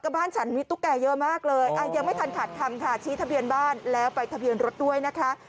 บ้านฉันมีตุ๊กแก่เยอะมากเลยยังไม่ทันขาดคำค่ะชี้ทะเบียนบ้านแล้วไปทะเบียนรถด้วยนะคะ